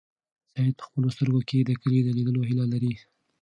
سعید په خپلو سترګو کې د کلي د لیدلو هیله لري.